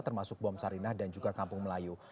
termasuk bom sarinah dan juga kampung melayu